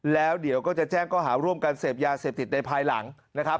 แล้วเดี๋ยวก็จะแจ้งข้อหาร่วมกันเสพยาเสพติดในภายหลังนะครับ